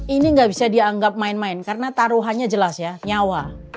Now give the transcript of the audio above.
ini nggak bisa dianggap main main karena taruhannya jelas ya nyawa